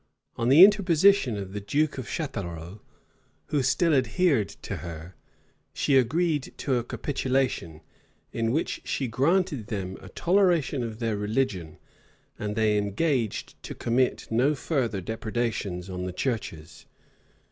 On the interposition of the duke of Chatelrault, who still adhered to her, she agreed to a capitulation, in which she granted them a toleration of their religion, and they engaged to commit no further depredations on the churches.